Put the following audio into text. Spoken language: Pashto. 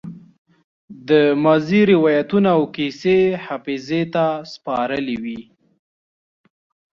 د ماضي روايتونه او کيسې يې حافظې ته سپارلې وي.